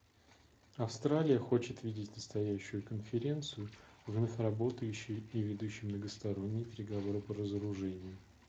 Австралия хочет видеть настоящую Конференцию вновь работающей и ведущей многосторонние переговоры по разоружению.